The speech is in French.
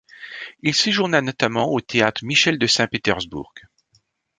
Il séjourna notamment au théâtre Michel de Saint-Pétersbourg.